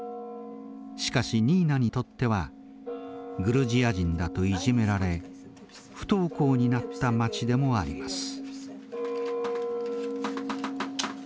しかしニーナにとってはグルジア人だといじめられ不登校になった町でもあります。